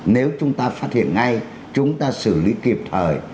nếu chúng ta phát hiện ngay chúng ta xử lý kịp thời